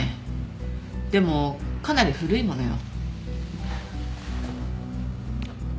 でもかなり古いものよ。